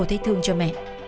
và cô thấy thương cho mẹ